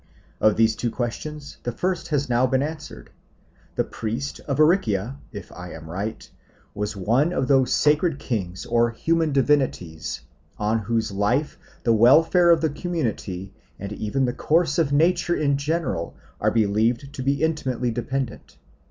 Of these two questions the first has now been answered. The priest of Aricia, if I am right, was one of those sacred kings or human divinities on whose life the welfare of the community and even the course of nature in general are believed to be intimately dependent.